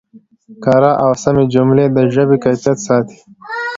کره او سمې جملې د ژبې کیفیت ساتي.